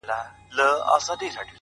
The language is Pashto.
• امن ښه دی پاچا هلته به خوند وکړي,